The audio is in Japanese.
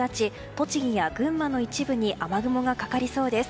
栃木や群馬の一部に雨雲がかかりそうです。